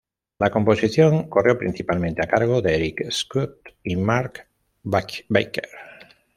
La composición corrió principalmente a cargo de Erik Scott y Mark Baker.